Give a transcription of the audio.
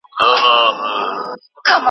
د سياست د علم پر پېژندنه هم اختلاف ستون لري.